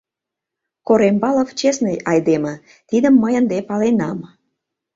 Корембалов честный айдеме, тидым мый ынде паленам.